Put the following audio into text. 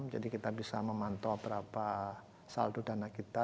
jadi kita bisa memantau berapa saldo dana kita